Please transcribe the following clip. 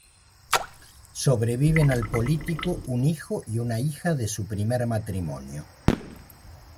Sobreviven al político un hijo y una hija de su primer matrimonio.